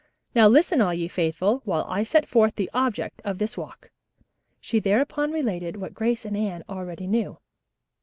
Now listen, all ye faithful, while I set forth the object of this walk." She thereupon related what Grace and Anne already knew.